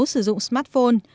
sử dụng smartphone